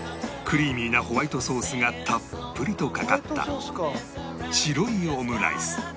クリーミーなホワイトソースがたっぷりとかかった白いオムライス